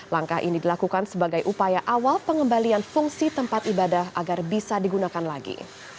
langkah ini dilakukan sebagai upaya awal pengembalian fungsi tempat ibadah agar bisa digunakan lagi